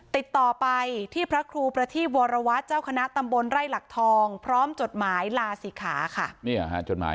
ติดต่อไปที่พระครูประทีบวรวัตรเจ้าคณะตำบลไร่หลักทองพร้อมจดหมายลาศิขาค่ะ